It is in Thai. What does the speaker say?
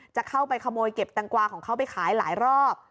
จะเข้าไปขโมยเก็บแตงกวาของเขาไปขายหลายรอบ